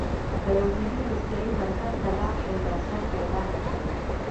که یو هندی روغتیايي مرکز ته لاړ شي ډاکټر پیدا نه کړي.